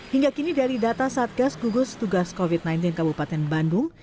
hingga kini dari data satgas gugus tugas covid sembilan belas kabupaten bandung